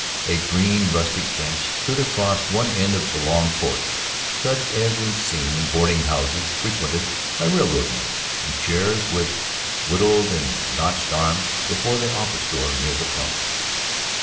A green rustic bench stood across one end of the long porch, such as is seen in boarding houses frequented by railroad men, and chairs with whittled and notched arms before the office door, near the pump.